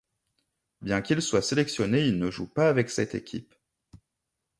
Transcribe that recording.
Bien qu'il soit sélectionné il ne joue pas avec cette équipe.